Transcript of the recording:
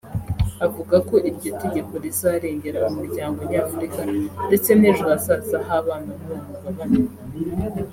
Avuga ko iryo tegeko rizarengera umuryango nyafurika ndetse n’ejo hazaza h’abana b’uwo mugabane